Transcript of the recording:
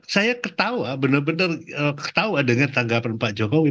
saya ketawa benar benar ketawa dengan tanggapan pak jokowi